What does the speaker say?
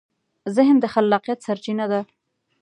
ذهن د خلاقیت سرچینه ده.